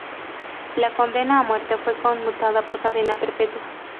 La condena a muerte fue conmutada por cadena perpetua.